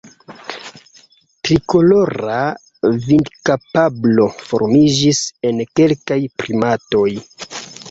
Trikolora vidkapablo formiĝis en kelkaj primatoj.